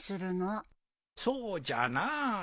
そうじゃな。